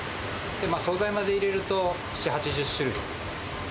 総菜まで入れると、７、８０種類。